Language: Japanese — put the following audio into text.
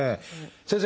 先生